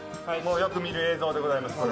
よく見る映像でございます。